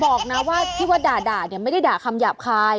บอกนะว่าที่ว่าด่าเนี่ยไม่ได้ด่าคำหยาบคาย